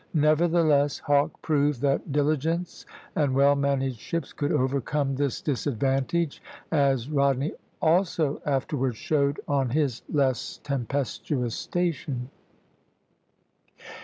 Nevertheless, Hawke proved that diligence and well managed ships could overcome this disadvantage, as Rodney also afterward showed on his less tempestuous station.